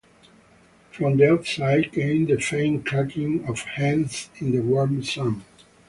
From the outside came the faint clucking of hens in the warm sun.